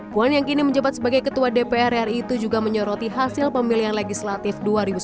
puan yang kini menjabat sebagai ketua dpr ri itu juga menyoroti hasil pemilihan legislatif dua ribu sembilan belas